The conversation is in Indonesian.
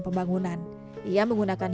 pembangunan ia menggunakan